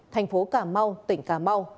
thành phố cà mau tỉnh cà mau